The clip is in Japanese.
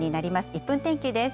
１分天気です。